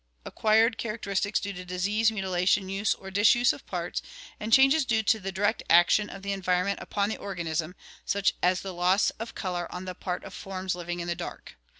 Acquired characteristics due to disease, mutilation, use or 156 ORGANIC EVOLUTION disuse of parts, and changes due to the direct action of the environ ment upon the organism, such as the loss of color on the part of forms living in the dark.